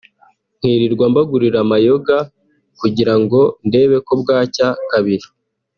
nkirirwa mbagurira amayoga kugirango ndebe ko bwacya kabiri”